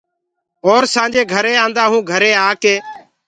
اور سآنجي گھري آنٚدآ هونٚ گھري آڪي